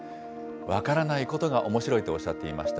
分からないことがおもしろいとおっしゃっていました。